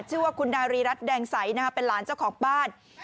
ชื่อว่าคุณนารีรัฐแดงใสเป็นหลานเจ้าของบ้าน